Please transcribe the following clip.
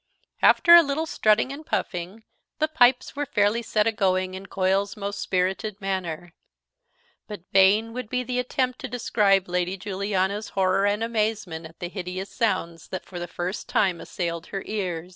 After a little strutting and puffing, the pipes were fairly set a going in Coil's most spirited manner. But vain would be the attempt to describe Lady Juliana's horror and amazement at the hideous sounds that for the first time assailed her ear.